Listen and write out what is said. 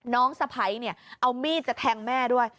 สะพ้ายเนี่ยเอามีดจะแทงแม่ด้วย